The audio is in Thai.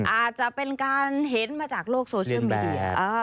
อาจจะเป็นการเห็นมาจากโลกโซเชียลมีเดีย